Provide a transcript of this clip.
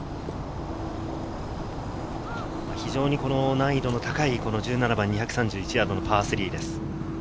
難易度の高い１７番、２３１ヤードのパー３です。